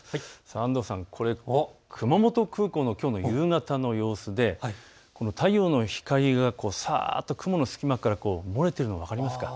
安藤さん、これは熊本空港のきょうの夕方の様子で太陽の光がさっと雲の隙間から漏れているのが分かりますか。